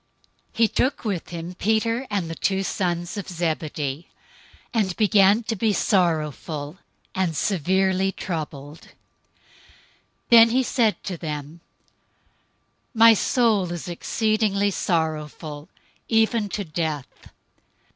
026:037 He took with him Peter and the two sons of Zebedee, and began to be sorrowful and severely troubled. 026:038 Then he said to them, "My soul is exceedingly sorrowful, even to death.